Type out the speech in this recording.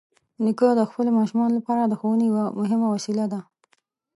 نیکه د خپلو ماشومانو لپاره د ښوونې یوه مهمه وسیله ده.